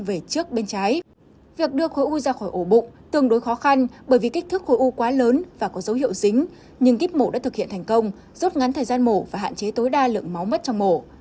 việc đưa khối u ra khỏi ổ bụng tương đối khó khăn bởi vì kích thước khối u quá lớn và có dấu hiệu dính nhưng kiếp mổ đã thực hiện thành công rốt ngắn thời gian mổ và hạn chế tối đa lượng máu mất trong mổ